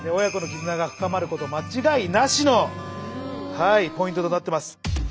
のポイントとなってます。